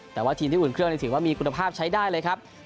แต่ว่าทีมที่อุ่นเครื่องถือว่ามีคุณภาพใช้ได้เลยครับ